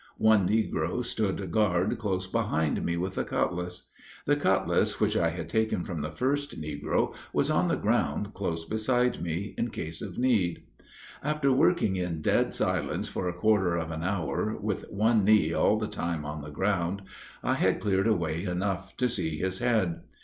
One negro stood guard close behind me with a cutlass. The cutlass which I had taken from the first negro, was on the ground close beside me, in case of need. After working in dead silence for a quarter of an hour, with one knee all the time on the ground, I had cleared away enough to see his head.